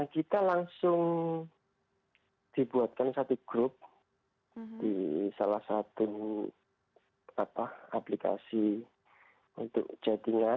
kita langsung dibuatkan satu grup di salah satu aplikasi untuk chattingan